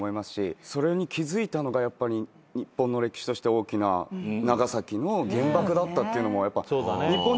それに気付いたのが日本の歴史として大きな長崎の原爆だったというのも。